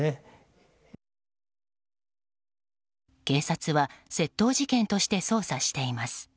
警察は、窃盗事件として捜査しています。